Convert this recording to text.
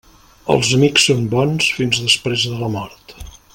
Els amics són bons fins després de la mort.